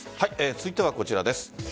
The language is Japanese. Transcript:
続いてはこちらです。